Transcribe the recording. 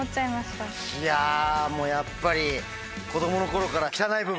いやもうやっぱり子供の頃から。